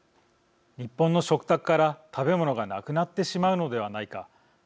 日本の食卓から食べ物が無くなってしまうのではないか。